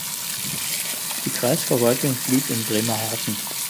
Die Kreisverwaltung blieb in Bremerhaven.